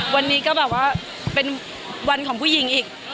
วันนี้ก็แบบว่าเป็นวันของผู้หญิงอีก